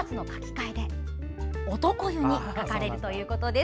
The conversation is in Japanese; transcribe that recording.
換えで男湯に描かれるということです。